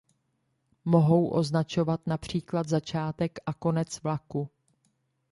Mohou označovat například začátek a konec vlaku.